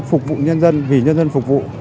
phục vụ nhân dân vì nhân dân phục vụ